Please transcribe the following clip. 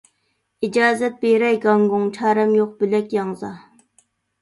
ئىجازەت بېرەي، گاڭگۇڭ، چارەم يوق بۆلەك ياڭزا.